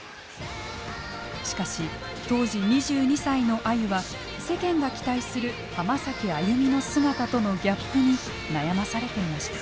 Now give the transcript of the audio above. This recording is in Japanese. しかし当時２２歳のあゆは世間が期待する「浜崎あゆみ」の姿とのギャップに悩まされていました。